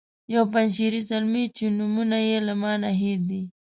یو پنجشیری زلمی چې نومونه یې له ما نه هیر دي.